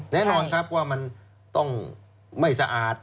แน่นอนครับว่ามันต้องไม่สะอาด